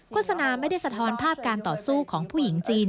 โฆษณาไม่ได้สะท้อนภาพการต่อสู้ของผู้หญิงจีน